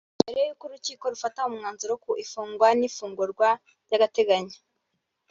mbere y’uko urukiko rufata umwanzuro ku ifungwa n’ifungurwa ry’agateganyo